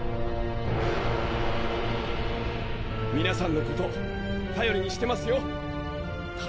皆さんのこと頼りにしてますよ！